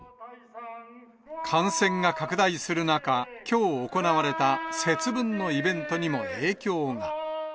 感染が拡大する中、きょう行われた節分のイベントにも影響が。